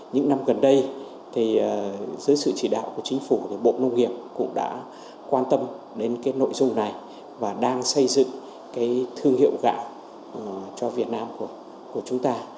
những năm gần đây dưới sự chỉ đạo của chính phủ thì bộ nông nghiệp cũng đã quan tâm đến cái nội dung này và đang xây dựng cái thương hiệu gạo cho việt nam của chúng ta